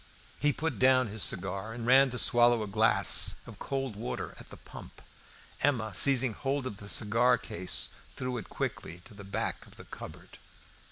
He put down his cigar and ran to swallow a glass of cold water at the pump. Emma seizing hold of the cigar case threw it quickly to the back of the cupboard.